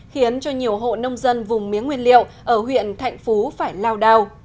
khiến cho nhiều hộ nông dân vùng mía nguyên liệu ở huyện thạnh phú phải lao đao